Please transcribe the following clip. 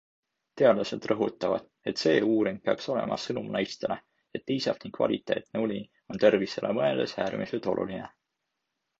Teadlased rõhutavad, et see uuring peaks olema sõnum naistele, et piisav ning kvaliteetne uni on tervisele mõeldes äärmiselt oluline.